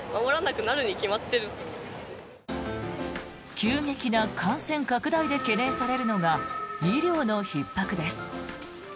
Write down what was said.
急激な感染拡大で懸念されるのが医療のひっ迫です。